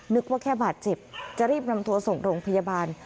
นึกว่าแค่บาดเจ็บจะรีบนำตัวส่งโรงพยาบาล